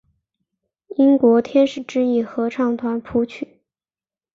英国天使之翼合唱团谱曲。